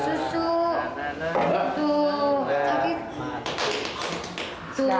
neng belum minum susu